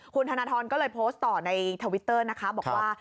คุณธนทรก็เลยโพสต์ต่อในทวิตเตอร์นะคะบอกว่า